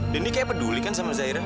deni kayak peduli kan sama zaira